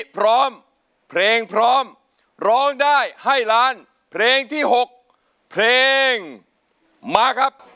พร้อมเพลงพร้อมร้องได้ให้ล้านเพลงที่๖เพลงมาครับ